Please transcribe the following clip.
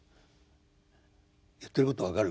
言ってること分かる？